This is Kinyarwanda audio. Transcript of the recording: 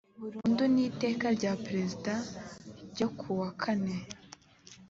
burundu n iteka rya perezida n ryo ku wa kane